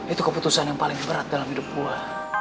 itu keputusan yang paling berat dalam hidup gua